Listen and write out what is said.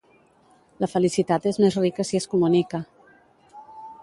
La felicitat és més rica si es comunica.